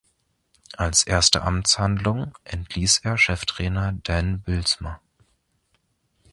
Als erste Amtshandlung entließ er Cheftrainer Dan Bylsma.